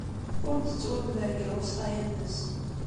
Ur d-tettwabder deg lewṣaya-nnes.